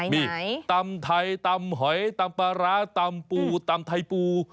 มีตำไทยตำหอยตำปลาร้าตำปูตำไทยปู